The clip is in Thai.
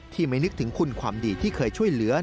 ไม่นึกถึงคุณความดีที่เคยช่วยเหลือ